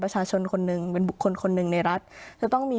เพราะฉะนั้นทำไมถึงต้องทำภาพจำในโรงเรียนให้เหมือนกัน